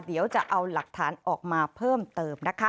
เดี๋ยวจะเอาหลักฐานออกมาเพิ่มเติมนะคะ